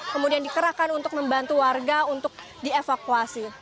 kemudian dikerahkan untuk membantu warga untuk dievakuasi